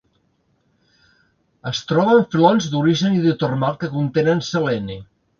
Es troba en filons d'origen hidrotermal que contenen seleni.